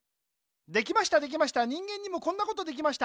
できましたできました人間にもこんなことできました。